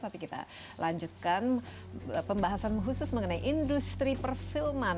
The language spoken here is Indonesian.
tapi kita lanjutkan pembahasan khusus mengenai industri perfilman